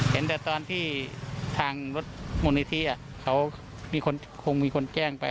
เห็นแต่ตอนที่ทางรถมูลนิธิเขาคงมีคนแจ้งไป